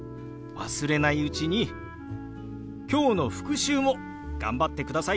忘れないうちに今日の復習も頑張ってくださいね。